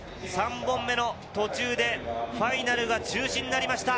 ３本目の途中でファイナルが中止になりました。